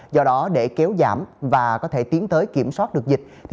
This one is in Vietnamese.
do đó để kéo giảm và có thể tiến tới kiểm soát được dịch